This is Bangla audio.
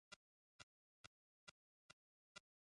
কেন হাত গুটিয়ে তার সামনে গোলামি করবো?